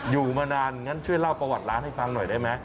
อยู่มานานงั้นช่วยเล่าประวัติร้านให้ฟังหน่อยได้ไหม